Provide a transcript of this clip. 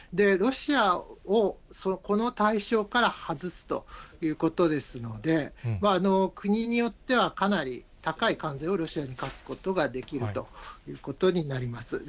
ロシアをこの対象から外すということですので、国によってはかなり高い関税をロシアに課すことができるということになります。